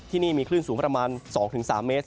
ที่นี่มีคลื่นสูงประมาณ๒๓เมตร